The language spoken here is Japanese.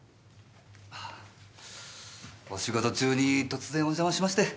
お仕事中に突然お邪魔しまして。